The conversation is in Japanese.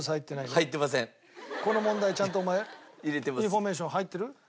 この問題ちゃんとお前インフォメーション入ってる？